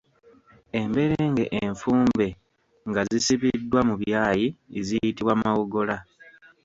Emberenge enfumbe nga zisibiddwa mu byayi ziyitibwa mawogola.